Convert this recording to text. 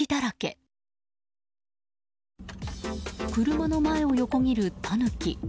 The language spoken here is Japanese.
車の前を横切るタヌキ。